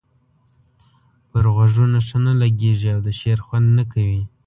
پر غوږونو ښه نه لګيږي او د شعر خوند نه کوي.